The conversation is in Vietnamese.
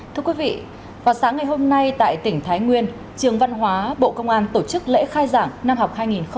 thưa quý vị vào sáng ngày hôm nay tại tỉnh thái nguyên trường văn hóa bộ công an tổ chức lễ khai giảng năm học hai nghìn hai mươi hai nghìn hai mươi bốn